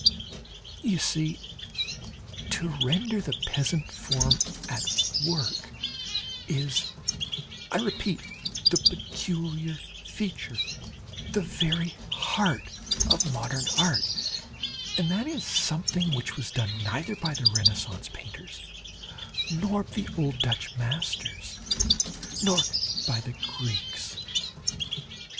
You see, to render "the peasant form at work" is, I repeat, the peculiar feature, the very heart of modern art, and that is something which was done neither by the Renaissance painters, nor the old Dutch masters, nor by the Greeks.